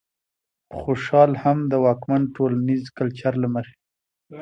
خوشال هم د واکمن ټولنيز کلچر له مخې